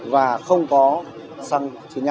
và không có xăng chín mươi năm